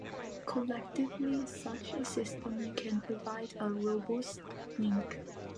Collectively such a system can provide a robust link.